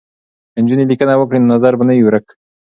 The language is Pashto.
که نجونې لیکنه وکړي نو نظر به نه وي ورک.